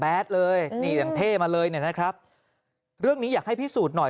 เลยนี่ยังเท่มาเลยเนี่ยนะครับเรื่องนี้อยากให้พิสูจน์หน่อย